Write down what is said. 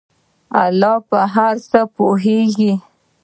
الله په هر څه پوهیږي.